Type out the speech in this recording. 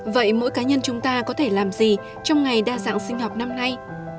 vậy mỗi cá nhân chúng ta có thể làm gì trong ngày đa dạng sinh học năm nay